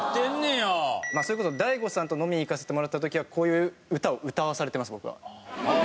それこそ大悟さんと飲みに行かせてもらった時はこういう歌を歌わされています僕は。